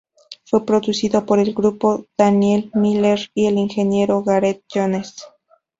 Fue producido por el grupo, Daniel Miller y el ingeniero Gareth Jones.